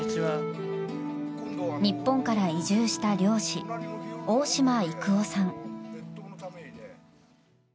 日本から移住した猟師大島育雄さん。